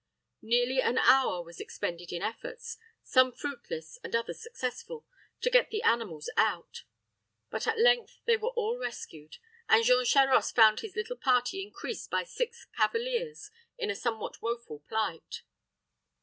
Nearly an hour was expended in efforts, some fruitless and others successful, to get the animals out; but at length they were all rescued, and Jean Charost found his little party increased by six cavaliers, in a somewhat woeful plight.